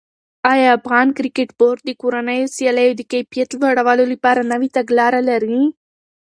آیا افغان کرکټ بورډ د کورنیو سیالیو د کیفیت لوړولو لپاره نوې تګلاره لري؟